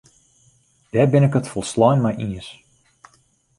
Dêr bin ik it folslein mei iens.